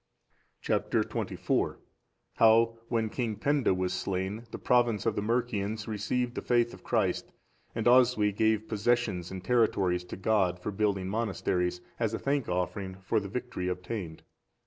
Chap. XXIV. How when King Penda was slain, the province of the Mercians received the faith of Christ, and Oswy gave possessions and territories to God, for building monasteries, as a thank offering for the victory obtained.